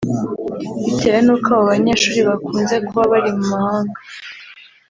Bitewe n’uko abo banyeshuri bakunze kuba bari mu mahanga